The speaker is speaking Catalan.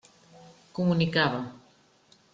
Comunicava.